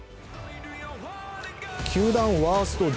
球団ワースト１４